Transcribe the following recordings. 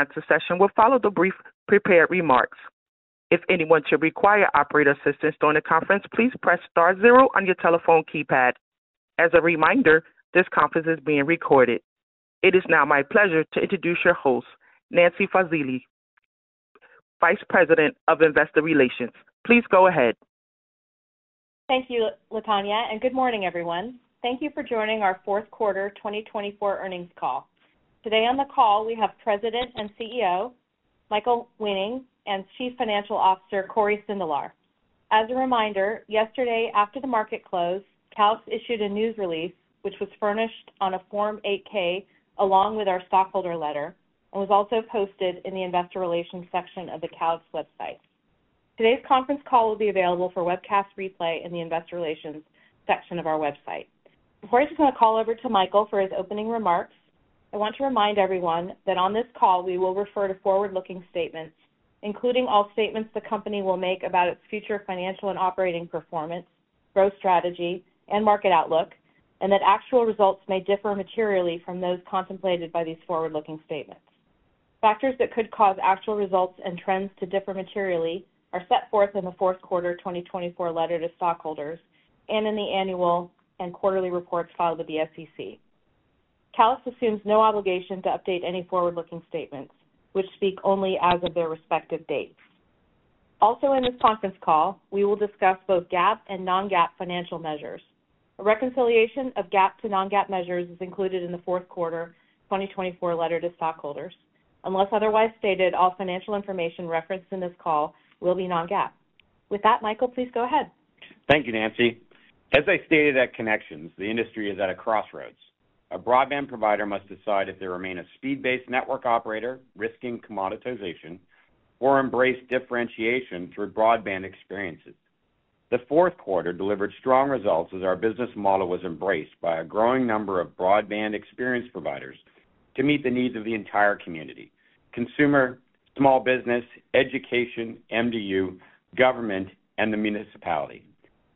To end the session, we'll follow the brief prepared remarks. If anyone should require operator assistance during the conference, please press star zero on your telephone keypad. As a reminder, this conference is being recorded. It is now my pleasure to introduce your host, Nancy Fazioli, Vice President of Investor Relations. Please go ahead. Thank you, Latonya, and good morning, everyone. Thank you for joining our fourth quarter 2024 earnings call. Today on the call, we have President and CEO Michael Weening and Chief Financial Officer Cory Sindelar. As a reminder, yesterday after the market closed, Calix issued a news release which was furnished on a Form 8-K along with our stockholder letter and was also posted in the Investor Relations section of the Calix website. Today's conference call will be available for webcast replay in the Investor Relations section of our website. Before I just want to call over to Michael for his opening remarks, I want to remind everyone that on this call we will refer to forward-looking statements, including all statements the company will make about its future financial and operating performance, growth strategy, and market outlook, and that actual results may differ materially from those contemplated by these forward-looking statements. Factors that could cause actual results and trends to differ materially are set forth in the fourth quarter 2024 letter to stockholders and in the annual and quarterly reports filed with the SEC. Calix assumes no obligation to update any forward-looking statements, which speak only as of their respective dates. Also, in this conference call, we will discuss both GAAP and non-GAAP financial measures. A reconciliation of GAAP to non-GAAP measures is included in the fourth quarter 2024 letter to stockholders. Unless otherwise stated, all financial information referenced in this call will be non-GAAP. With that, Michael, please go ahead. Thank you, Nancy. As I stated at ConneXions, the industry is at a crossroads. A broadband provider must decide if they remain a speed-based network operator, risking commoditization, or embrace differentiation through broadband experiences. The fourth quarter delivered strong results as our business model was embraced by a growing number of broadband experience providers to meet the needs of the entire community: consumer, small business, education, MDU, government, and the municipality.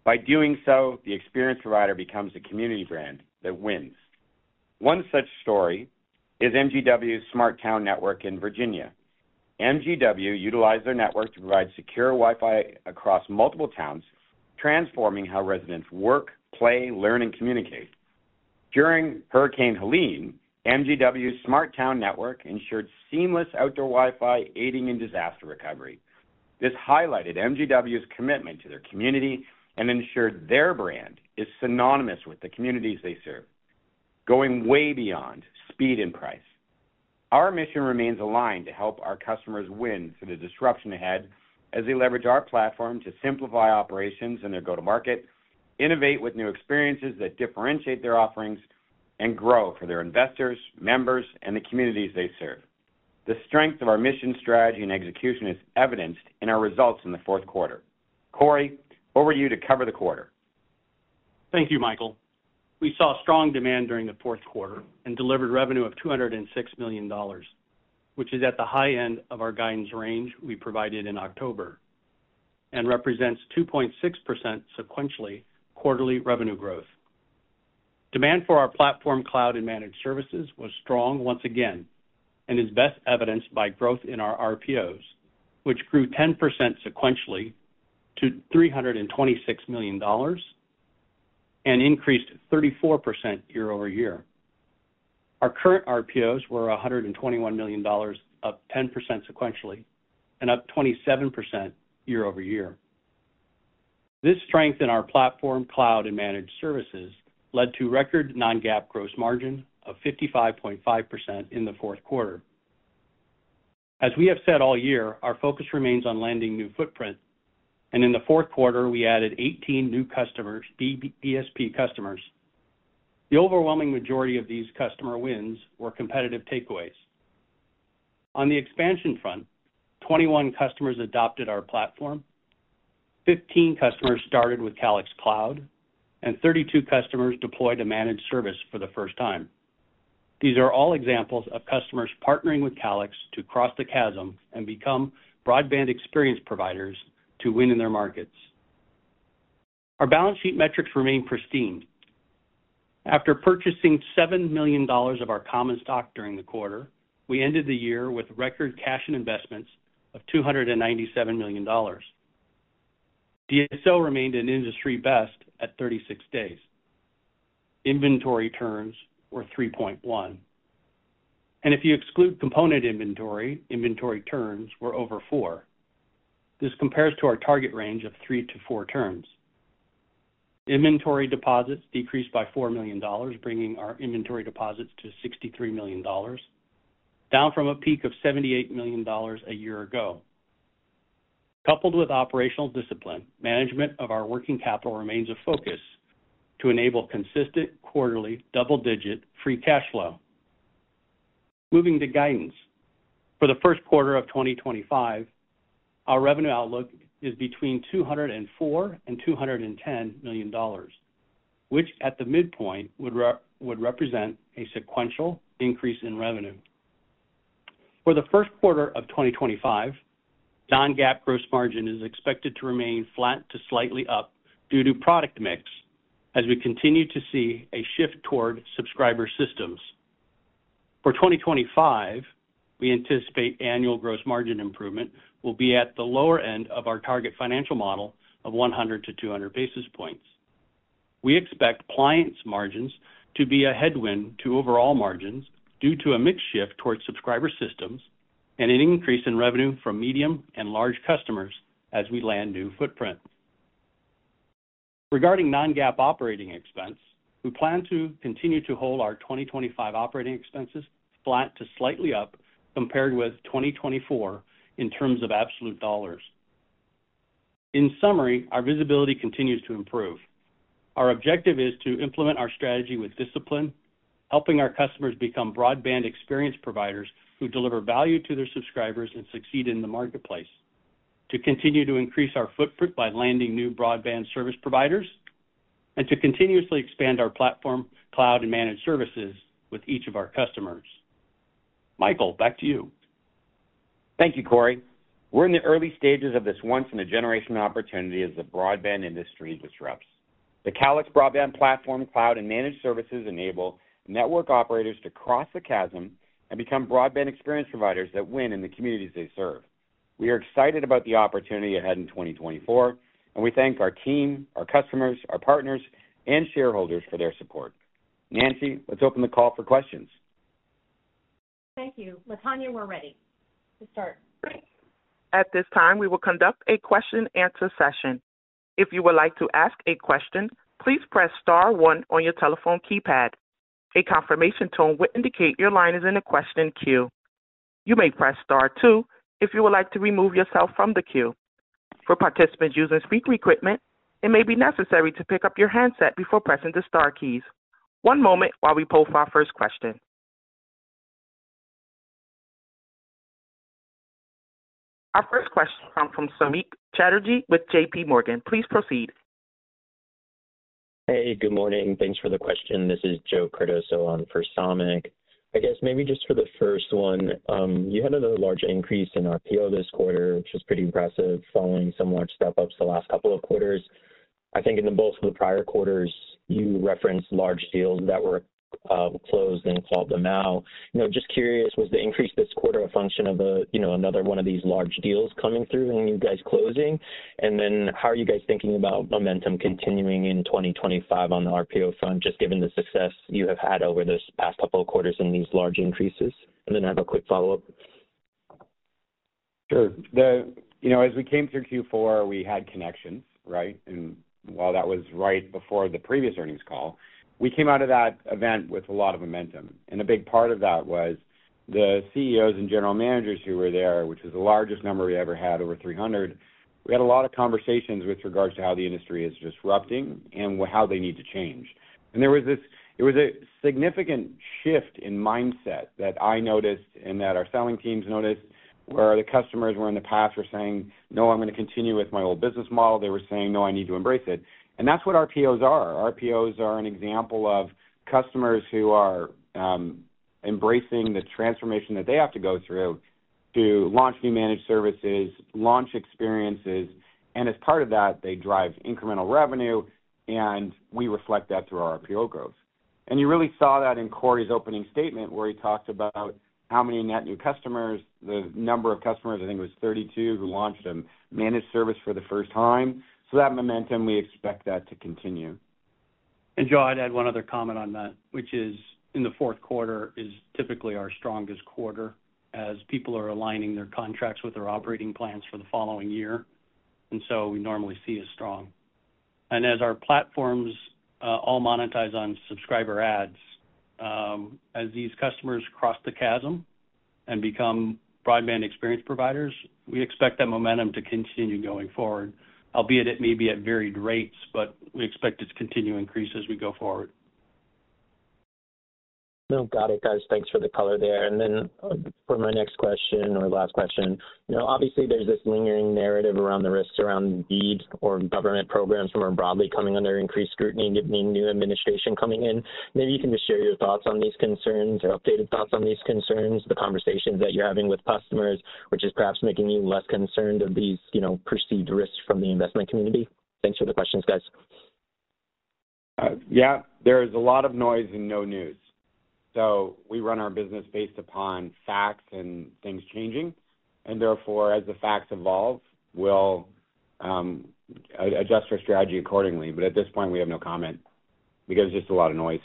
By doing so, the experience provider becomes a community brand that wins. One such story is MGW's SmartTown Network in Virginia. MGW utilized their network to provide secure Wi-Fi across multiple towns, transforming how residents work, play, learn, and communicate. During Hurricane Helene, MGW's SmartTown Network ensured seamless outdoor Wi-Fi, aiding in disaster recovery. This highlighted MGW's commitment to their community and ensured their brand is synonymous with the communities they serve, going way beyond speed and price. Our mission remains aligned to help our customers win through the disruption ahead as they leverage our platform to simplify operations in their go-to-market, innovate with new experiences that differentiate their offerings, and grow for their investors, members, and the communities they serve. The strength of our mission, strategy, and execution is evidenced in our results in the fourth quarter. Cory, over to you to cover the quarter. Thank you, Michael. We saw strong demand during the fourth quarter and delivered revenue of $206 million, which is at the high end of our guidance range we provided in October and represents 2.6% sequentially quarterly revenue growth. Demand for our platform, cloud, and managed services was strong once again and is best evidenced by growth in our RPOs, which grew 10% sequentially to $326 million and increased 34% year-over-year. Our current RPOs were $121 million, up 10% sequentially and up 27% year-over-year. This strength in our platform, cloud, and managed services led to record non-GAAP gross margin of 55.5% in the fourth quarter. As we have said all year, our focus remains on landing new footprint, and in the fourth quarter, we added 18 new customers, BSP customers. The overwhelming majority of these customer wins were competitive takeaways. On the expansion front, 21 customers adopted our platform, 15 customers started with Calix Cloud, and 32 customers deployed a managed service for the first time. These are all examples of customers partnering with Calix to cross the chasm and become broadband experience providers to win in their markets. Our balance sheet metrics remain pristine. After purchasing $7 million of our common stock during the quarter, we ended the year with record cash and investments of $297 million. DSO remained an industry best at 36 days. Inventory turns were 3.1, and if you exclude component inventory, inventory turns were over four. This compares to our target range of three to four turns. Inventory deposits decreased by $4 million, bringing our inventory deposits to $63 million, down from a peak of $78 million a year ago. Coupled with operational discipline, management of our working capital remains a focus to enable consistent quarterly double-digit free cash flow. Moving to guidance. For the first quarter of 2025, our revenue outlook is between $204 million and $210 million, which at the midpoint would represent a sequential increase in revenue. For the first quarter of 2025, non-GAAP gross margin is expected to remain flat to slightly up due to product mix as we continue to see a shift toward subscriber systems. For 2025, we anticipate annual gross margin improvement will be at the lower end of our target financial model of 100 to 200 basis points. We expect clients' margins to be a headwind to overall margins due to a mixed shift toward subscriber systems and an increase in revenue from medium and large customers as we land new footprint. Regarding Non-GAAP operating expense, we plan to continue to hold our 2025 operating expenses flat to slightly up compared with 2024 in terms of absolute dollars. In summary, our visibility continues to improve. Our objective is to implement our strategy with discipline, helping our customers become broadband experience providers who deliver value to their subscribers and succeed in the marketplace, to continue to increase our footprint by landing new broadband service providers, and to continuously expand our platform, cloud, and managed services with each of our customers. Michael, back to you. Thank you, Cory. We're in the early stages of this once-in-a-generation opportunity as the broadband industry disrupts. The Calix Broadband Platform, Cloud, and managed services enable network operators to cross the chasm and become broadband experience providers that win in the communities they serve. We are excited about the opportunity ahead in 2024, and we thank our team, our customers, our partners, and shareholders for their support. Nancy, let's open the call for questions. Thank you. Latonya, we're ready to start. At this time, we will conduct a question-and-answer session. If you would like to ask a question, please press star one on your telephone keypad. A confirmation tone will indicate your line is in a question queue. You may press star two if you would like to remove yourself from the queue. For participants using speaker equipment, it may be necessary to pick up your handset before pressing the star keys. One moment while we pull for our first question. Our first question comes from Samik Chatterjee with J.P. Morgan. Please proceed. Hey, good morning. Thanks for the question. This is Joe Cardoso on for Samik. I guess maybe just for the first one, you had a large increase in RPO this quarter, which is pretty impressive following some large step-ups the last couple of quarters. I think in both of the prior quarters, you referenced large deals that were closed and called them out. Just curious, was the increase this quarter a function of another one of these large deals coming through and you guys closing? And then how are you guys thinking about momentum continuing in 2025 on the RPO front, just given the success you have had over this past couple of quarters in these large increases? And then I have a quick follow-up. Sure. As we came through Q4, we had ConneXions, right? And while that was right before the previous earnings call, we came out of that event with a lot of momentum. And a big part of that was the CEOs and general managers who were there, which was the largest number we ever had, over 300. We had a lot of conversations with regards to how the industry is disrupting and how they need to change. And there was a significant shift in mindset that I noticed and that our selling teams noticed, where the customers were in the past were saying, "No, I'm going to continue with my old business model." They were saying, "No, I need to embrace it." And that's what RPOs are. RPOs are an example of customers who are embracing the transformation that they have to go through to launch new managed services, launch experiences. And as part of that, they drive incremental revenue, and we reflect that through our RPO growth. And you really saw that in Cory's opening statement where he talked about how many net new customers, the number of customers, I think it was 32 who launched a managed service for the first time. So that momentum, we expect that to continue. And Joe, I'd add one other comment on that, which is in the fourth quarter is typically our strongest quarter as people are aligning their contracts with their operating plans for the following year. And so we normally see a strong. And as our platforms all monetize on subscriber adds, as these customers cross the chasm and become Broadband Experience Providers, we expect that momentum to continue going forward, albeit it may be at varied rates, but we expect it to continue to increase as we go forward. Got it, guys. Thanks for the color there. And then for my next question or last question, obviously there's this lingering narrative around the risks around BEADs or government programs from broadband broadly coming under increased scrutiny, given the new administration coming in. Maybe you can just share your thoughts on these concerns or updated thoughts on these concerns, the conversations that you're having with customers, which is perhaps making you less concerned of these perceived risks from the investment community? Thanks for the questions, guys. Yeah, there is a lot of noise and no news, so we run our business based upon facts and things changing, and therefore, as the facts evolve, we'll adjust our strategy accordingly, but at this point, we have no comment because it's just a lot of noise.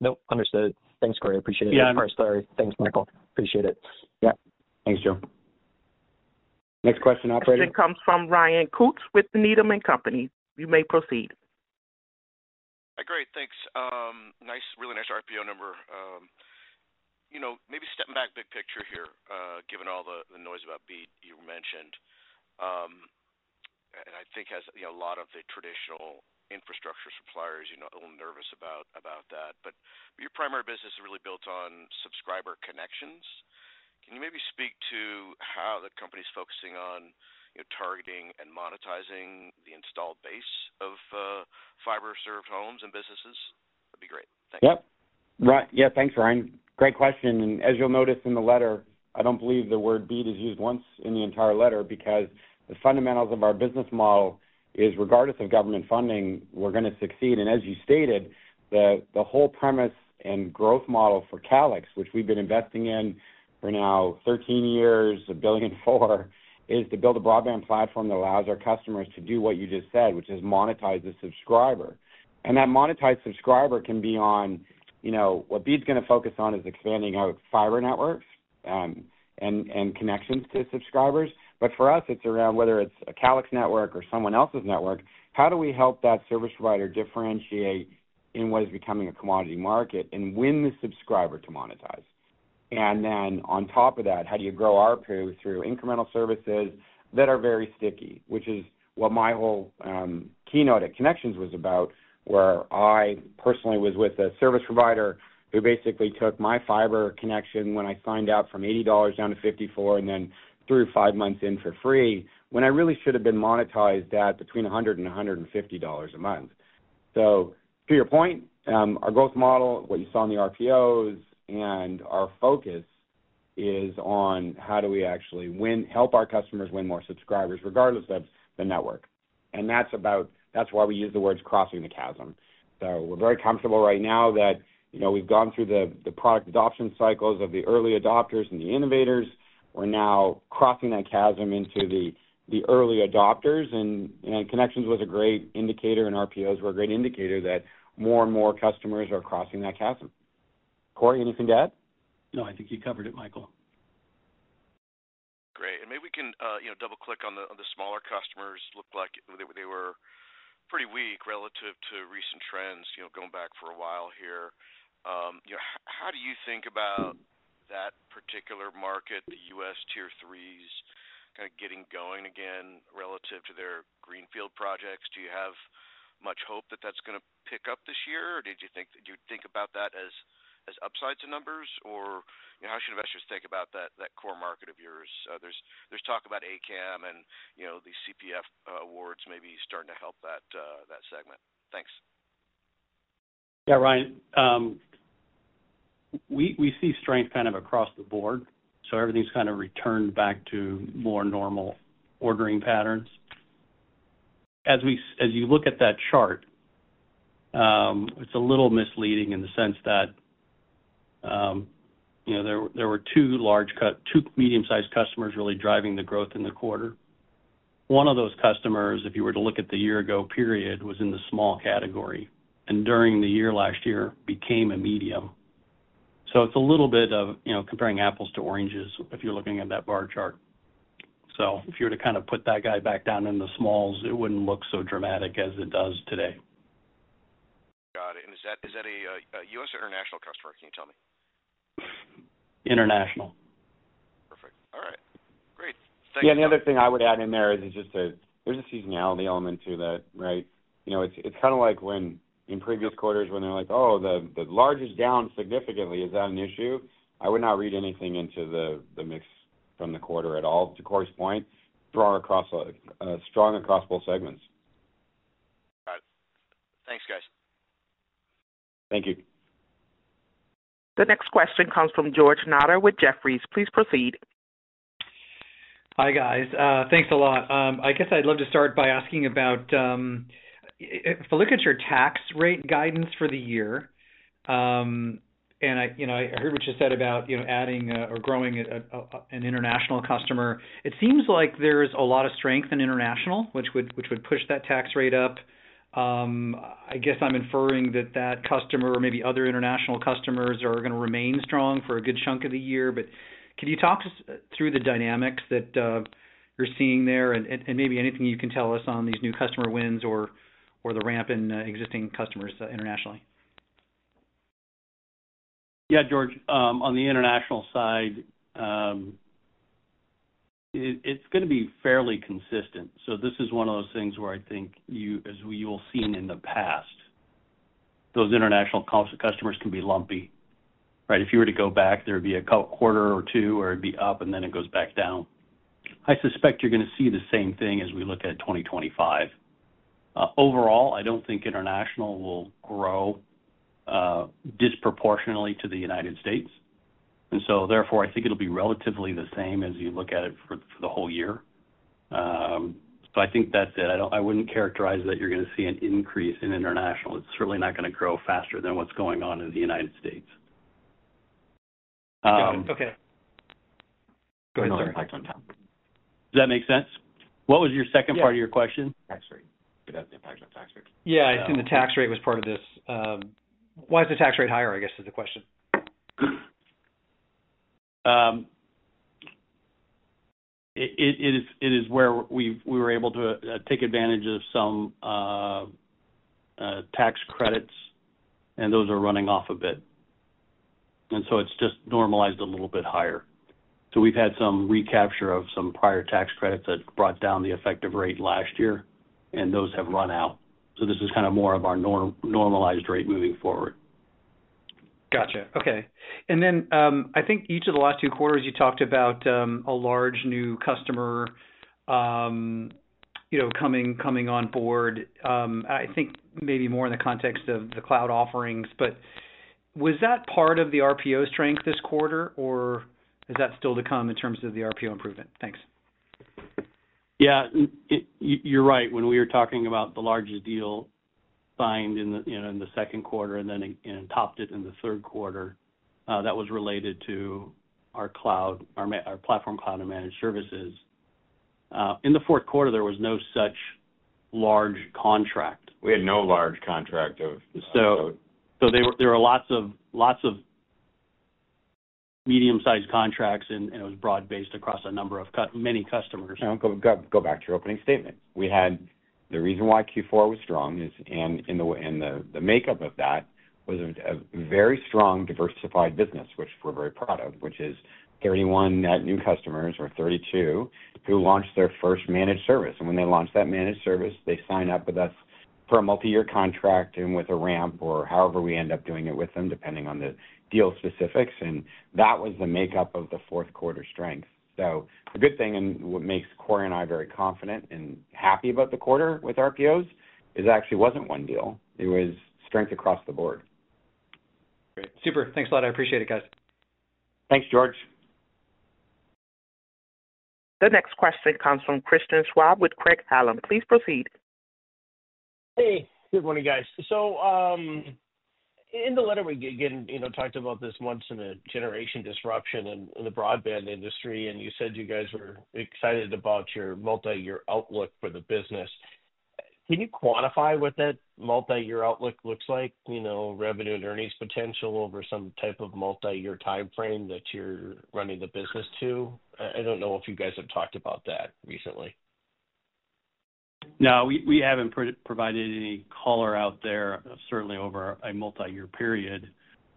Nope, understood. Thanks, Cory. Appreciate it. Yeah. Of course, sorry. Thanks, Michael. Appreciate it. Yeah. Thanks, Joe. Next question, operator. Question comes from Ryan Koontz with Needham & Company. You may proceed. Great. Thanks. Nice, really nice RPO number. Maybe stepping back, big picture here, given all the noise about BEAD you mentioned. And I think a lot of the traditional infrastructure suppliers are a little nervous about that. But your primary business is really built on subscriber connections. Can you maybe speak to how the company's focusing on targeting and monetizing the installed base of fiber-served homes and businesses? That'd be great. Thanks. Yep. Right. Yeah, thanks, Ryan. Great question. And as you'll notice in the letter, I don't believe the word BEAD is used once in the entire letter because the fundamentals of our business model is regardless of government funding, we're going to succeed. And as you stated, the whole premise and growth model for Calix, which we've been investing in for now 13 years, a billion four, is to build a broadband platform that allows our customers to do what you just said, which is monetize the subscriber. And that monetized subscriber can be on what BEAD's going to focus on is expanding out fiber networks and connections to subscribers. But for us, it's around whether it's a Calix network or someone else's network, how do we help that service provider differentiate in what is becoming a commodity market and win the subscriber to monetize? Then on top of that, how do you grow ARPU through incremental services that are very sticky, which is what my whole keynote at ConneXions was about, where I personally was with a service provider who basically took my fiber connection when I signed out from $80 down to $54 and then threw five months in for free when I really should have been monetized at between $100-$150 a month. To your point, our growth model, what you saw in the RPOs, and our focus is on how do we actually help our customers win more subscribers regardless of the network. That's why we use the words crossing the chasm. We're very comfortable right now that we've gone through the product adoption cycles of the early adopters and the innovators. We're now crossing that chasm into the early adopters. And ConneXions was a great indicator, and RPOs were a great indicator that more and more customers are crossing that chasm. Cory, anything to add? No, I think you covered it, Michael. Great. And maybe we can double-click on the smaller customers. Looked like they were pretty weak relative to recent trends going back for a while here. How do you think about that particular market, the U.S. tier threes, kind of getting going again relative to their greenfield projects? Do you have much hope that that's going to pick up this year, or do you think about that as upside to numbers, or how should investors think about that core market of yours? There's talk about ACAM and the CPF awards maybe starting to help that segment. Thanks. Yeah, Ryan, we see strength kind of across the board. So everything's kind of returned back to more normal ordering patterns. As you look at that chart, it's a little misleading in the sense that there were two medium-sized customers really driving the growth in the quarter. One of those customers, if you were to look at the year-ago period, was in the small category and during the year last year became a medium. So it's a little bit of comparing apples to oranges if you're looking at that bar chart. So if you were to kind of put that guy back down in the smalls, it wouldn't look so dramatic as it does today. Got it. And is that a U.S. or international customer? Can you tell me? International. Perfect. All right. Great. Thanks, guys. Yeah, the other thing I would add in there is just there's a seasonality element to that, right? It's kind of like when in previous quarters when they're like, "Oh, the largest down significantly, is that an issue?" I would not read anything into the mix from the quarter at all to Cory's point. Strong across both segments. Got it. Thanks, guys. Thank you. The next question comes from George Notter with Jefferies. Please proceed. Hi, guys. Thanks a lot. I guess I'd love to start by asking about if I look at your tax rate guidance for the year, and I heard what you said about adding or growing an international customer. It seems like there's a lot of strength in international, which would push that tax rate up. I guess I'm inferring that that customer or maybe other international customers are going to remain strong for a good chunk of the year. But can you talk through the dynamics that you're seeing there and maybe anything you can tell us on these new customer wins or the ramp in existing customers internationally? Yeah, George, on the international side, it's going to be fairly consistent. So this is one of those things where I think, as we will have seen in the past, those international customers can be lumpy, right? If you were to go back, there would be a quarter or two where it'd be up, and then it goes back down. I suspect you're going to see the same thing as we look at 2025. Overall, I don't think international will grow disproportionately to the United States. And so therefore, I think it'll be relatively the same as you look at it for the whole year. So I think that's it. I wouldn't characterize that you're going to see an increase in international. It's certainly not going to grow faster than what's going on in the United States. Okay. Go ahead, sir. Does that make sense? What was your second part of your question? Tax rate. That impacts on tax rate. Yeah, I assume the tax rate was part of this. Why is the tax rate higher, I guess, is the question? It is where we were able to take advantage of some tax credits, and those are running off a bit. And so it's just normalized a little bit higher. So we've had some recapture of some prior tax credits that brought down the effective rate last year, and those have run out. So this is kind of more of our normalized rate moving forward. Gotcha. Okay. And then I think each of the last two quarters, you talked about a large new customer coming on board, I think maybe more in the context of the cloud offerings. But was that part of the RPO strength this quarter, or is that still to come in terms of the RPO improvement? Thanks. Yeah, you're right. When we were talking about the largest deal signed in the second quarter and then topped it in the third quarter, that was related to our platform cloud and managed services. In the fourth quarter, there was no such large contract. We had no large contract of. There were lots of medium-sized contracts, and it was broad-based across a number of many customers. Go back to your opening statement. The reason why Q4 was strong is, and the makeup of that was a very strong, diversified business, which we're very proud of, which is 31 net new customers or 32 who launched their first managed service. And when they launched that managed service, they signed up with us for a multi-year contract and with a ramp or however we end up doing it with them, depending on the deal specifics. And that was the makeup of the fourth quarter strength. So the good thing and what makes Cory and I very confident and happy about the quarter with RPOs is it actually wasn't one deal. It was strength across the board. Great. Super. Thanks a lot. I appreciate it, guys. Thanks, George. The next question comes from Christian Schwab with Craig-Hallum. Please proceed. Hey, good morning, guys. So in the letter, we again talked about this once in a generation disruption in the broadband industry, and you said you guys were excited about your multi-year outlook for the business. Can you quantify what that multi-year outlook looks like, revenue and earnings potential over some type of multi-year timeframe that you're running the business to? I don't know if you guys have talked about that recently. No, we haven't provided any color out there, certainly over a multi-year period.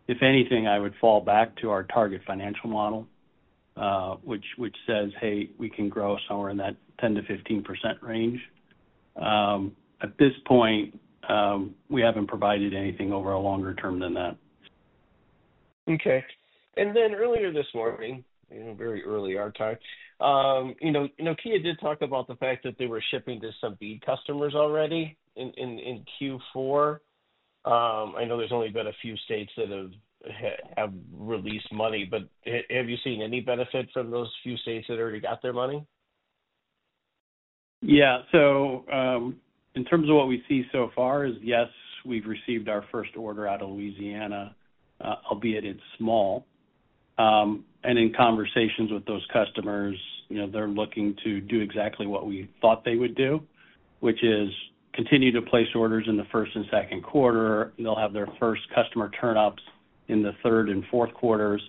If anything, I would fall back to our target financial model, which says, "Hey, we can grow somewhere in that 10%-15% range." At this point, we haven't provided anything over a longer term than that. Okay. And then earlier this morning, very early our time, Nokia did talk about the fact that they were shipping to some BEAD customers already in Q4. I know there's only been a few states that have released money, but have you seen any benefit from those few states that already got their money? Yeah, so in terms of what we see so far is, yes, we've received our first order out of Louisiana, albeit it's small, and in conversations with those customers, they're looking to do exactly what we thought they would do, which is continue to place orders in the first and second quarter. They'll have their first customer turn-ups in the third and fourth quarters,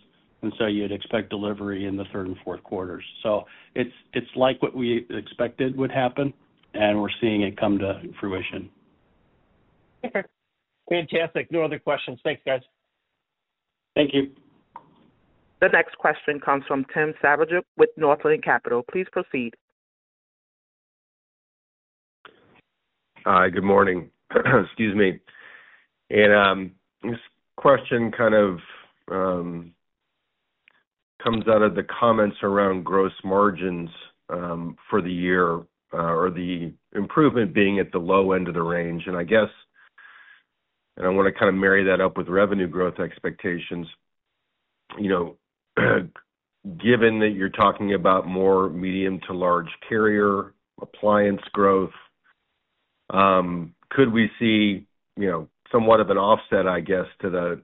and so you'd expect delivery in the third and fourth quarters, so it's like what we expected would happen, and we're seeing it come to fruition. Okay. Fantastic. No other questions. Thanks, guys. Thank you. The next question comes from Tim Savage with Northland Capital. Please proceed. Hi, good morning. Excuse me, and this question kind of comes out of the comments around gross margins for the year or the improvement being at the low end of the range, and I guess, and I want to kind of marry that up with revenue growth expectations. Given that you're talking about more medium to large carrier appliance growth, could we see somewhat of an offset, I guess, to the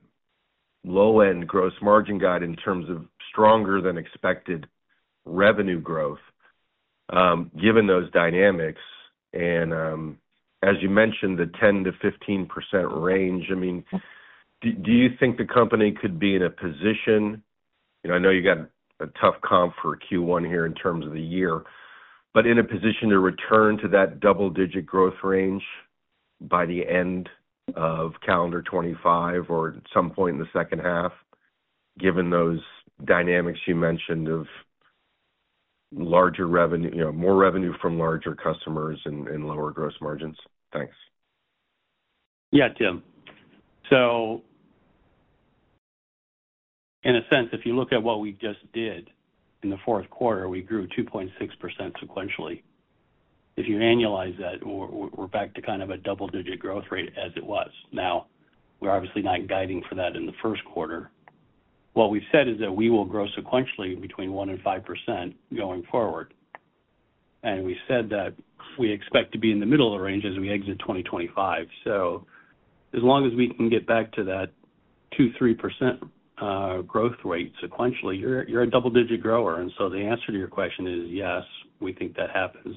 low-end gross margin guide in terms of stronger-than-expected revenue growth given those dynamics? And as you mentioned, the 10%-15% range, I mean, do you think the company could be in a position? I know you got a tough comp for Q1 here in terms of the year, but in a position to return to that double-digit growth range by the end of calendar 2025 or at some point in the second half, given those dynamics you mentioned of more revenue from larger customers and lower gross margins? Thanks. Yeah, Tim. So in a sense, if you look at what we just did in the fourth quarter, we grew 2.6% sequentially. If you annualize that, we're back to kind of a double-digit growth rate as it was. Now, we're obviously not guiding for that in the first quarter. What we've said is that we will grow sequentially between 1% and 5% going forward. And we said that we expect to be in the middle of the range as we exit 2025. So as long as we can get back to that 2%-3% growth rate sequentially, you're a double-digit grower. And so the answer to your question is yes, we think that happens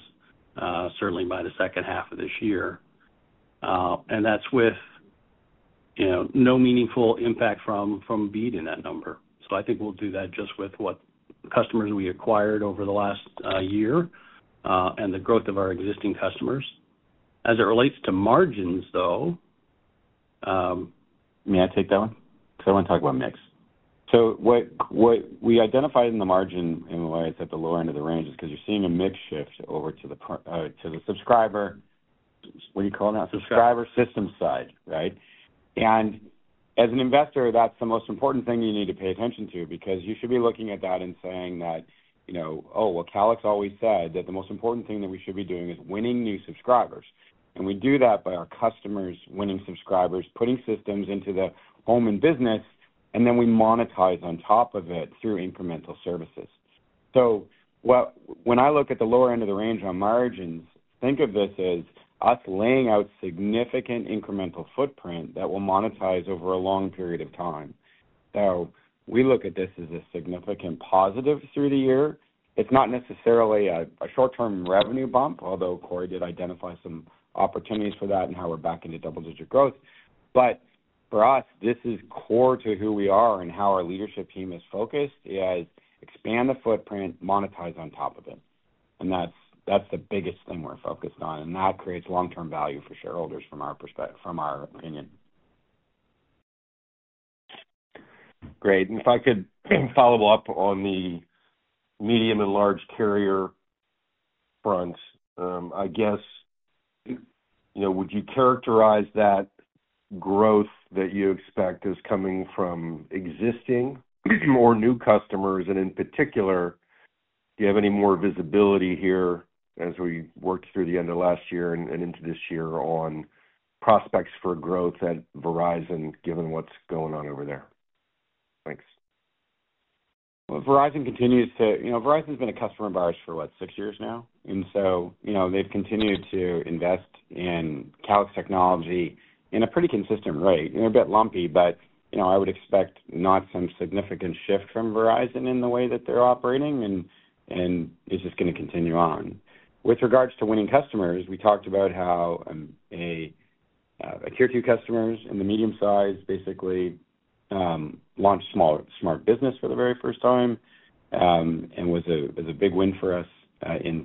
certainly by the second half of this year. And that's with no meaningful impact from BEAD in that number. So I think we'll do that just with what customers we acquired over the last year and the growth of our existing customers. As it relates to margins, though. May I take that one? Because I want to talk about mix. What we identified in the margin and why it's at the lower end of the range is because you're seeing a mix shift over to the subscriber, what do you call that? Subscriber system side, right? And as an investor, that's the most important thing you need to pay attention to because you should be looking at that and saying that, "Oh, well, Calix always said that the most important thing that we should be doing is winning new subscribers." And we do that by our customers winning subscribers, putting systems into the home and business, and then we monetize on top of it through incremental services. When I look at the lower end of the range on margins, think of this as us laying out significant incremental footprint that will monetize over a long period of time. We look at this as a significant positive through the year. It's not necessarily a short-term revenue bump, although Cory did identify some opportunities for that and how we're back into double-digit growth. For us, this is core to who we are and how our leadership team is focused: expand the footprint, monetize on top of it. That's the biggest thing we're focused on. That creates long-term value for shareholders from our opinion. Great. And if I could follow up on the medium and large carrier front, I guess, would you characterize that growth that you expect as coming from existing or new customers? And in particular, do you have any more visibility here as we worked through the end of last year and into this year on prospects for growth at Verizon, given what's going on over there? Thanks. Verizon continues to. Verizon's been a customer of ours for, what, six years now? And so they've continued to invest in Calix in a pretty consistent rate. They're a bit lumpy, but I would expect not some significant shift from Verizon in the way that they're operating, and it's just going to continue on. With regards to winning customers, we talked about how tier two customers and the medium size basically launched Smart Business for the very first time and was a big win for us in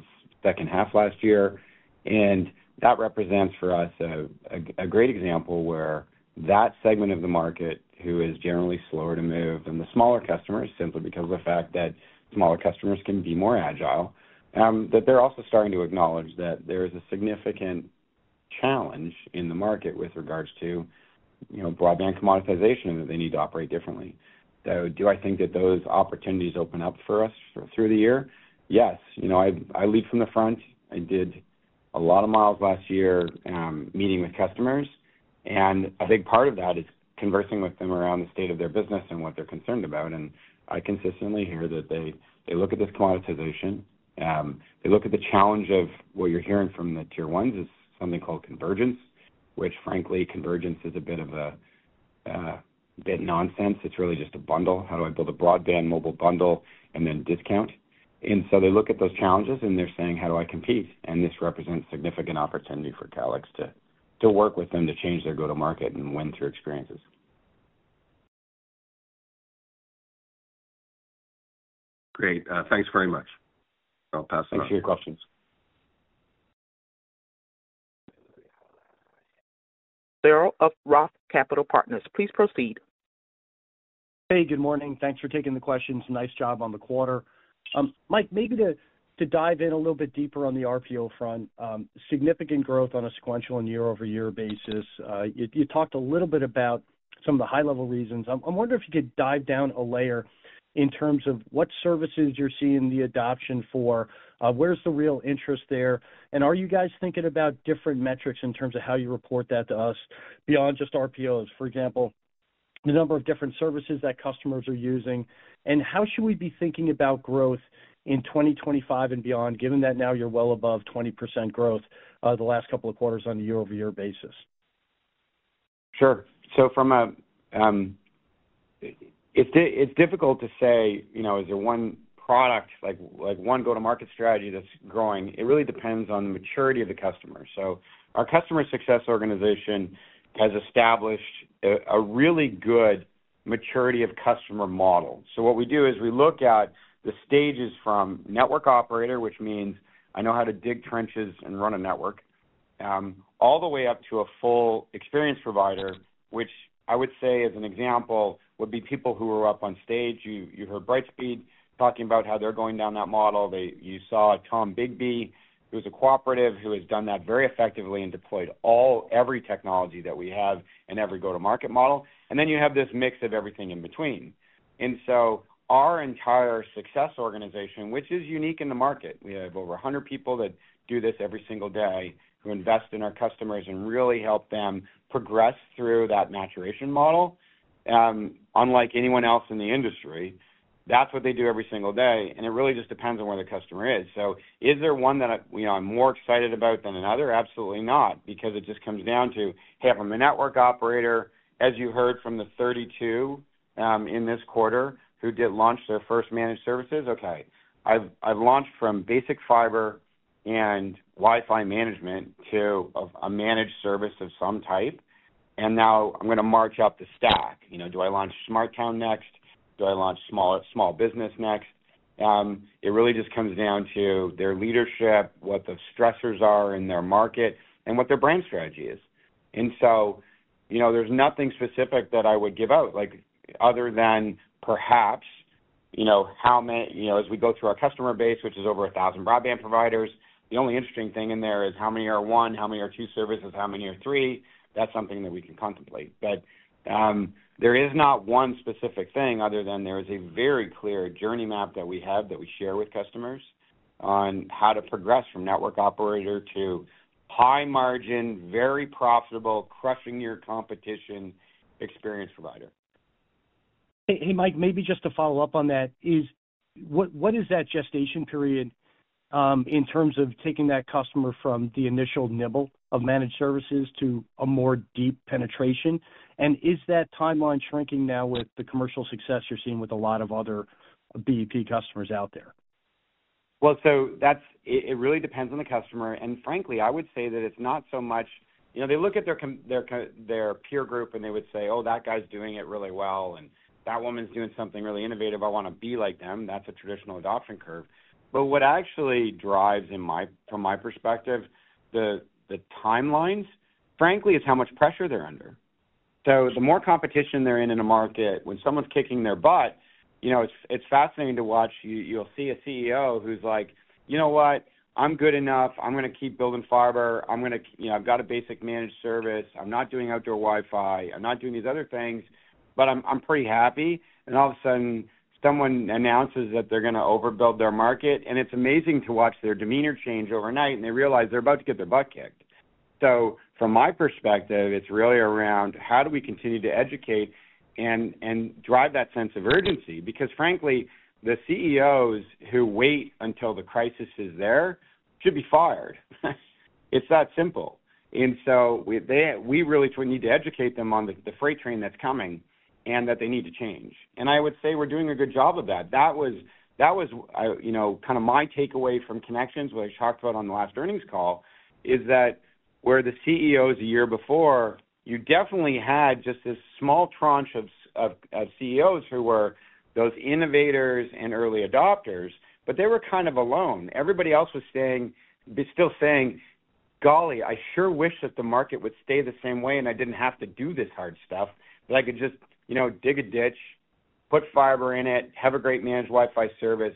the second half last year. That represents for us a great example where that segment of the market, who is generally slower to move than the smaller customers, simply because of the fact that smaller customers can be more agile, that they're also starting to acknowledge that there is a significant challenge in the market with regards to broadband commoditization and that they need to operate differently. Do I think that those opportunities open up for us through the year? Yes. I lead from the front. I did a lot of miles last year meeting with customers. A big part of that is conversing with them around the state of their business and what they're concerned about. I consistently hear that they look at this commoditization. They look at the challenge of what you're hearing from the tier ones is something called convergence, which, frankly, convergence is a bit of nonsense. It's really just a bundle. How do I build a broadband mobile bundle and then discount? And so they look at those challenges, and they're saying, "How do I compete?" And this represents significant opportunity for Calix to work with them to change their go-to-market and win-through experiences. Great. Thanks very much. I'll pass it off. Thanks for your questions. Scott Searle of Roth Capital Partners. Please proceed. Hey, good morning. Thanks for taking the questions. Nice job on the quarter. Mike, maybe to dive in a little bit deeper on the RPO front, significant growth on a sequential and year-over-year basis. You talked a little bit about some of the high-level reasons. I'm wondering if you could dive down a layer in terms of what services you're seeing the adoption for, where's the real interest there, and are you guys thinking about different metrics in terms of how you report that to us beyond just RPOs, for example, the number of different services that customers are using? And how should we be thinking about growth in 2025 and beyond, given that now you're well above 20% growth the last couple of quarters on a year-over-year basis? Sure. So it's difficult to say, is there one product, one go-to-market strategy that's growing? It really depends on the maturity of the customer. So our customer success organization has established a really good maturity of customer model. So what we do is we look at the stages from network operator, which means I know how to dig trenches and run a network, all the way up to a full experience provider, which I would say, as an example, would be people who were up on stage. You heard Brightspeed talking about how they're going down that model. You saw Tombigbee, who's a cooperative who has done that very effectively and deployed every technology that we have in every go-to-market model. And then you have this mix of everything in between. And so our entire success organization, which is unique in the market, we have over 100 people that do this every single day who invest in our customers and really help them progress through that maturation model. Unlike anyone else in the industry, that's what they do every single day. And it really just depends on where the customer is. So is there one that I'm more excited about than another? Absolutely not, because it just comes down to, "Hey, if I'm a network operator, as you heard from the 32 in this quarter who did launch their first managed services, okay, I've launched from basic fiber and Wi-Fi management to a managed service of some type. And now I'm going to march up the stack. Do I launch SmartTown next? Do I launch Smart Business next?" It really just comes down to their leadership, what the stressors are in their market, and what their brand strategy is. And so there's nothing specific that I would give out other than perhaps how many, as we go through our customer base, which is over 1,000 broadband providers, the only interesting thing in there is how many are one, how many are two services, how many are three. That's something that we can contemplate. But there is not one specific thing other than there is a very clear journey map that we have that we share with customers on how to progress from network operator to high margin, very profitable, crushing your competition experience provider. Hey, Mike, maybe just to follow up on that, what is that gestation period in terms of taking that customer from the initial nibble of managed services to a more deep penetration? And is that timeline shrinking now with the commercial success you're seeing with a lot of other BEP customers out there? Well, so it really depends on the customer. And frankly, I would say that it's not so much they look at their peer group and they would say, "Oh, that guy's doing it really well, and that woman's doing something really innovative. I want to be like them." That's a traditional adoption curve. But what actually drives, from my perspective, the timelines, frankly, is how much pressure they're under. So the more competition they're in in a market, when someone's kicking their butt, it's fascinating to watch. You'll see a CEO who's like, "You know what? I'm good enough. I'm going to keep building fiber. I've got a basic managed service. I'm not doing outdoor Wi-Fi. I'm not doing these other things, but I'm pretty happy." And all of a sudden, someone announces that they're going to overbuild their market. And it's amazing to watch their demeanor change overnight, and they realize they're about to get their butt kicked. So from my perspective, it's really around how do we continue to educate and drive that sense of urgency? Because frankly, the CEOs who wait until the crisis is there should be fired. It's that simple. And so we really need to educate them on the freight train that's coming and that they need to change. And I would say we're doing a good job of that. That was kind of my takeaway from ConneXions, what I talked about on the last earnings call, is that where the CEOs a year before, you definitely had just this small tranche of CEOs who were those innovators and early adopters, but they were kind of alone. Everybody else was still saying, "Golly, I sure wish that the market would stay the same way and I didn't have to do this hard stuff, that I could just dig a ditch, put fiber in it, have a great managed Wi-Fi service,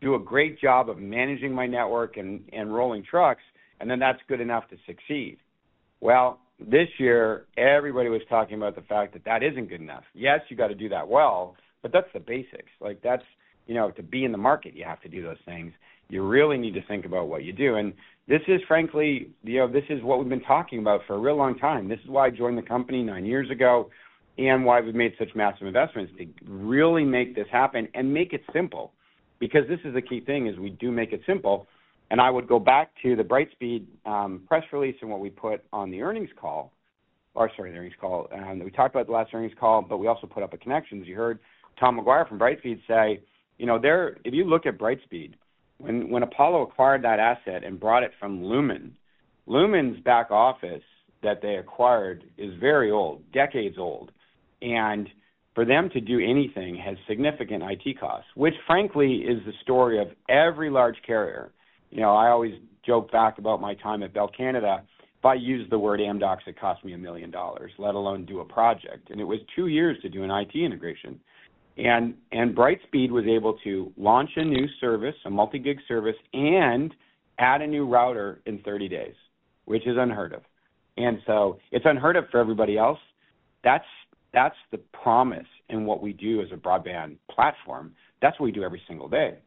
do a great job of managing my network and rolling trucks, and then that's good enough to succeed." This year, everybody was talking about the fact that that isn't good enough. Yes, you got to do that well, but that's the basics. To be in the market, you have to do those things. You really need to think about what you do. And this is, frankly, this is what we've been talking about for a real long time. This is why I joined the company nine years ago and why we've made such massive investments to really make this happen and make it simple. Because this is the key thing is we do make it simple. I would go back to the Brightspeed press release and what we put on the earnings call or sorry, the earnings call. We talked about the last earnings call, but we also put up a ConneXions. You heard Tom Maguire from Brightspeed say, "If you look at Brightspeed, when Apollo acquired that asset and bought it from Lumen, Lumen's back office that they acquired is very old, decades old. And for them to do anything has significant IT costs, which frankly is the story of every large carrier." I always joke back about my time at Bell Canada, "If I use the word Amdocs, it costs me $1 million, let alone do a project." And it was two years to do an IT integration. Brightspeed was able to launch a new service, a multi-gig service, and add a new router in 30 days, which is unheard of. It's unheard of for everybody else. That's the promise in what we do as a broadband platform. That's what we do every single day.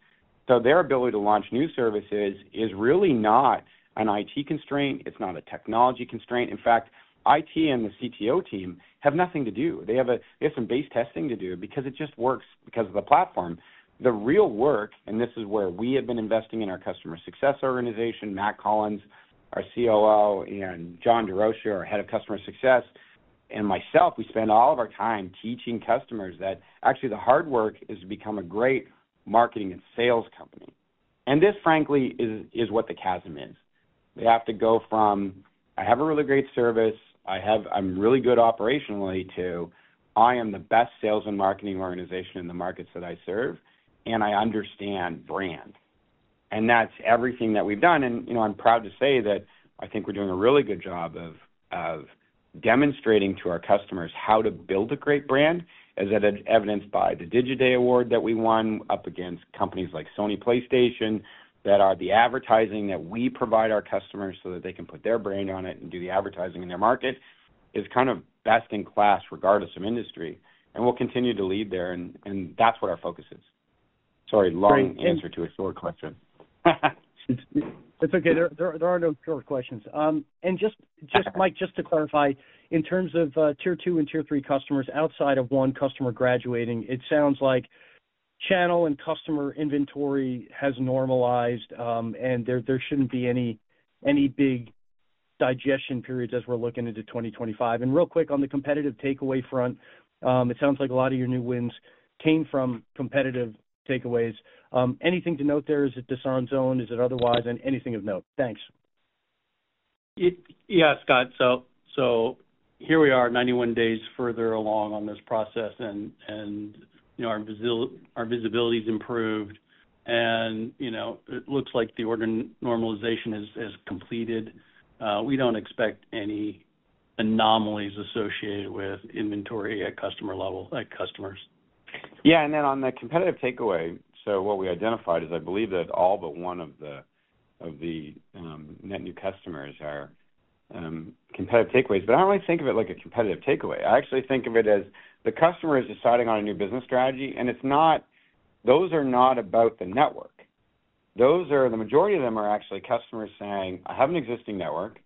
Their ability to launch new services is really not an IT constraint. It's not a technology constraint. In fact, IT and the CTO team have nothing to do. They have some base testing to do because it just works because of the platform. The real work, and this is where we have been investing in our customer success organization, Matt Collins, our COO, and John Durocher, our head of customer success, and myself, we spend all of our time teaching customers that actually the hard work is to become a great marketing and sales company. And this, frankly, is what the chasm is. They have to go from, "I have a really great service. I'm really good operationally," to, "I am the best sales and marketing organization in the markets that I serve, and I understand brand." And that's everything that we've done. And I'm proud to say that I think we're doing a really good job of demonstrating to our customers how to build a great brand, as evidenced by the Digiday Award that we won up against companies like Sony PlayStation. That are the advertising that we provide our customers so that they can put their brand on it and do the advertising in their market is kind of best in class regardless of industry. And we'll continue to lead there. And that's what our focus is. Sorry, long answer to a short question. That's okay. There are no short questions. And Mike, just to clarify, in terms of tier two and tier three customers outside of one customer graduating, it sounds like channel and customer inventory has normalized, and there shouldn't be any big digestion periods as we're looking into 2025. And real quick on the competitive takeaway front, it sounds like a lot of your new wins came from competitive takeaways. Anything to note there? Is it Adtran? Is it otherwise? And anything of note? Thanks. Yeah, Scott. So here we are, 91 days further along on this process, and our visibility has improved. And it looks like the order normalization has completed. We don't expect any anomalies associated with inventory at customer level at customers. Yeah. And then on the competitive takeaway, so what we identified is I believe that all but one of the net new customers are competitive takeaways. But I don't really think of it like a competitive takeaway. I actually think of it as the customer is deciding on a new business strategy. And those are not about the network. The majority of them are actually customers saying, "I have an existing network,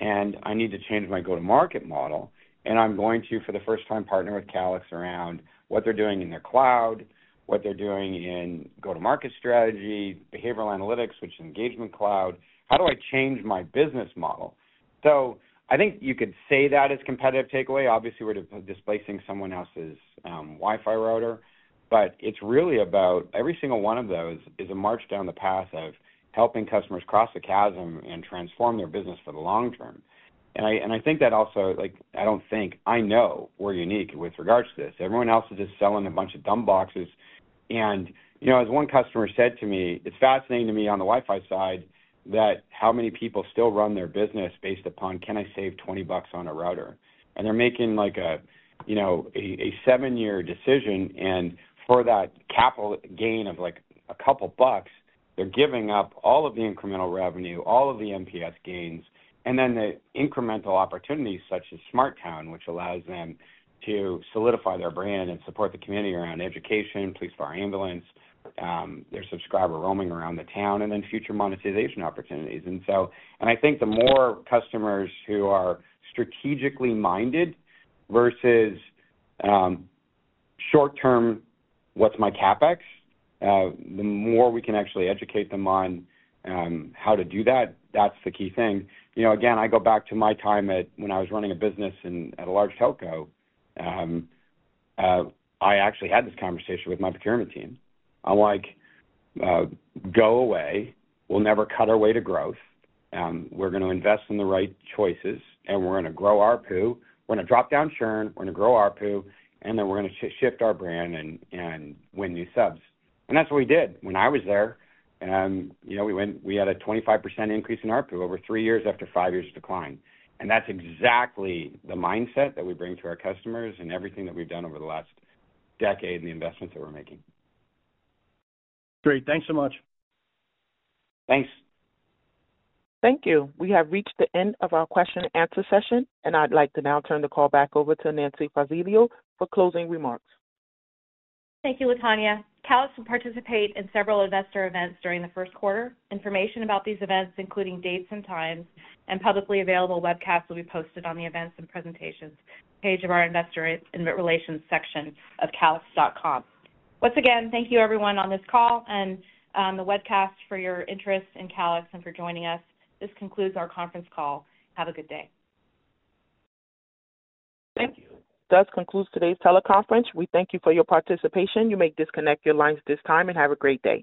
and I need to change my go-to-market model. And I'm going to, for the first time, partner with Calix around what they're doing in their cloud, what they're doing in go-to-market strategy, behavioral analytics, which is Engagement Cloud. How do I change my business model?" So I think you could say that as competitive takeaway. Obviously, we're displacing someone else's Wi-Fi router. But it's really about every single one of those is a march down the path of helping customers cross the chasm and transform their business for the long term. And I think that also I don't think I know we're unique with regards to this. Everyone else is just selling a bunch of dumb boxes. And as one customer said to me, "It's fascinating to me on the Wi-Fi side that how many people still run their business based upon 'Can I save 20 bucks on a router?'" And they're making a seven-year decision. And for that capital gain of a couple of bucks, they're giving up all of the incremental revenue, all of the NPS gains, and then the incremental opportunities such as SmartTown, which allows them to solidify their brand and support the community around education, police, fire, ambulance, their subscriber roaming around the town, and then future monetization opportunities. And I think the more customers who are strategically minded versus short-term, "What's my CapEx?" the more we can actually educate them on how to do that. That's the key thing. Again, I go back to my time when I was running a business at a large telco. I actually had this conversation with my procurement team. I'm like, "Go away. We'll never cut our way to growth. We're going to invest in the right choices, and we're going to grow our ARPU. We're going to drop down churn. We're going to grow our ARPU, and then we're going to shift our brand and win new subs," and that's what we did when I was there. We had a 25% increase in our ARPU over three years after five years of decline, and that's exactly the mindset that we bring to our customers and everything that we've done over the last decade and the investments that we're making. Great. Thanks so much. Thanks. Thank you. We have reached the end of our question-and-answer session, and I'd like to now turn the call back over to Nancy Fazioli for closing remarks. Thank you, LaTonya. Calix will participate in several investor events during the first quarter. Information about these events, including dates and times and publicly available webcasts, will be posted on the events and presentations page of our investor relations section of calix.com. Once again, thank you, everyone, on this call and the webcast for your interest in Calix and for joining us. This concludes our conference call. Have a good day. Thank you. That concludes today's teleconference. We thank you for your participation. You may disconnect your lines this time and have a great day.